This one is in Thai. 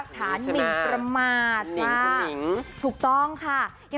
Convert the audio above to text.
สวย